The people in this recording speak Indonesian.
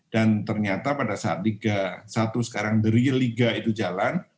dan ternyata pada saat liga satu sekarang dari liga itu jalan